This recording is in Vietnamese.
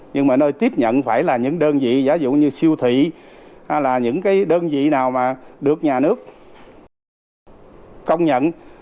nhưng mà nơi tiếp nhận phải là những đơn vị giá dụ như siêu thị hay là những cái đơn vị nào mà được nhà nước công nhận